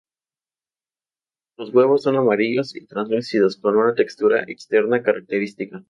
Los huevos son amarillos y translúcidos con una textura externa característica.